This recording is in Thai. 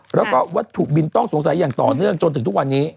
แล้วก็วัตถุบินต้องสงสัยอย่างต่อเนื่องจนถึงทุกวันนี้